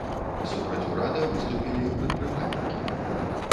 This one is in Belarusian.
Супраць урада выступілі і прадпрымальнікі.